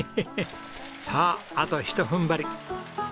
あとひと踏ん張り！